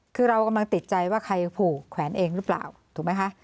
คือเรากำลังติดใจว่าใครผูกแขวนเองหรือเปล่าถูกไหมคะ